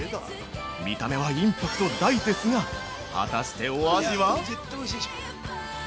見た目はインパクト大ですが果たしてお味は？